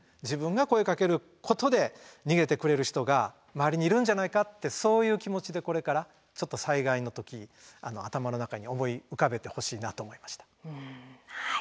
自分が声かけることで逃げてくれる人が周りにいるんじゃないかってそういう気持ちでこれからちょっと災害の時頭の中に思い浮かべてほしいなと思いました。